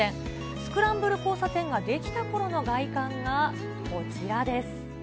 スクランブル交差点が出来たころの外観がこちらです。